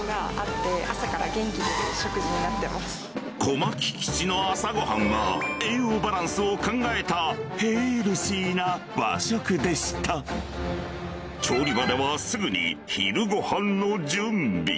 小牧基地の朝ごはんは栄養バランスを考えたヘルシーな和食でした調理場ではすぐに昼ごはんの準備